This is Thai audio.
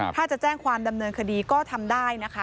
ถ้าจะแจ้งความดำเนินคดีก็ทำได้นะคะ